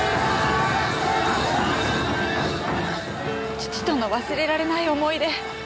父との忘れられない思い出。